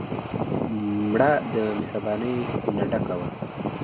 مړه د مهربانۍ نه ډکه وه